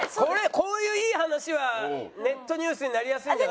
こういういい話はネットニュースになりやすいんじゃない？